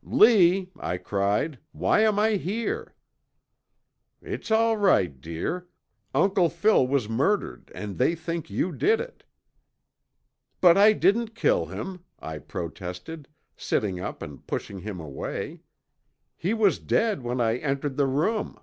"'Lee,' I cried, 'why am I here?' "'It's all right, dear. Uncle Phil was murdered and they think you did it.' "'But I didn't kill him,' I protested, sitting up and pushing him away. 'He was dead when I entered the room!'